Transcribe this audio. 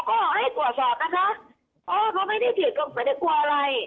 เขาก็ออกให้ตรวจสอบนะคะเขาไม่ได้เกลียดกับไม่ได้กลัวอะไร